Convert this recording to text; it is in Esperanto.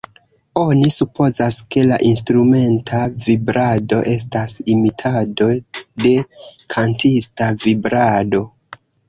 Oni supozas, ke la instrumenta vibrado estas imitado de kantista vibrado.